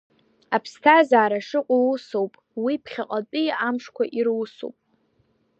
Аԥсҭазара шыҟоу усоуп, уи ԥхьаҟатәи амшқәа ирусуп.